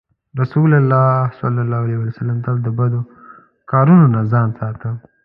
رسول الله ﷺ تل د بدو کارونو نه ځان ساته.